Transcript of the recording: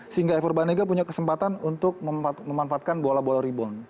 sehingga furbanega punya kesempatan untuk memanfaatkan bola bola rebound